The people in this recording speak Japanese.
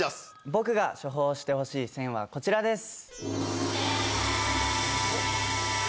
僕が処方してほしい「選」はこちらです。